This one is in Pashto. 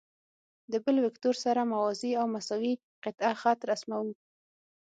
د بل وکتور سره موازي او مساوي قطعه خط رسموو.